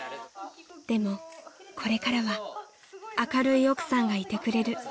［でもこれからは明るい奥さんがいてくれる］